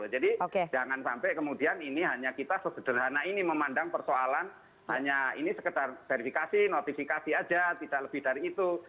jadi jangan sampai kemudian ini hanya kita sebederhana ini memandang persoalan hanya ini sekedar verifikasi notifikasi aja tidak lebih dari itu